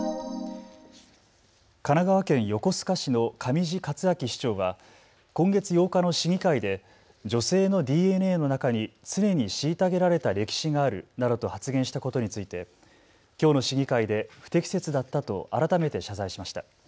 神奈川県横須賀市の上地克明市長は今月８日の市議会で女性のＤＮＡの中に常に虐げられた歴史があるなどと発言したことについてきょうの市議会で不適切だったと改めて謝罪しました。